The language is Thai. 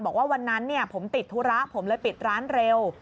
บอกว่าวันนั้นผมติดธุระผมเลยปิดร้านเร็ว